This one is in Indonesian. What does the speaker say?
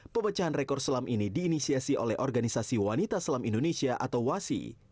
pemecahan rekor selam ini diinisiasi oleh organisasi wanita selam indonesia atau wasi